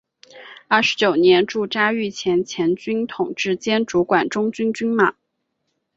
二十九年驻扎御前前军统制兼主管中军军马。